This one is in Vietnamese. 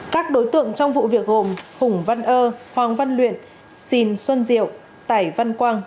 các đối tượng trong vụ việc gồm hùng văn ơ hoàng văn luyện xìn xuân diệu tài văn quang